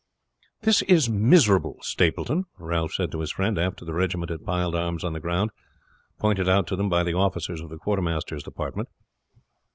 "This is miserable, Stapleton," Ralph said to his friend, after the regiment had piled arms on the ground pointed out to them by the officers of the quartermaster's department.